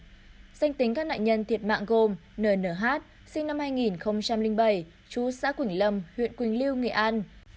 danh tính các nạn nhân thiệt mạng gồm nh sinh năm hai nghìn bảy chú xã quỳnh lâm huyện quỳnh lưu nghệ an